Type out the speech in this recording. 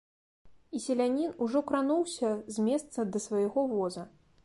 І селянін ужо крануўся з месца да свайго воза.